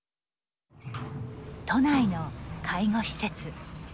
都内の介護施設。